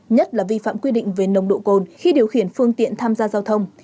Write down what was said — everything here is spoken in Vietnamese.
nhất là vi phạm quy định về nồng độ cồn khi điều khiển phương tiện tham gia giao thông